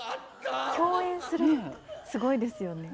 共演するってすごいですよね。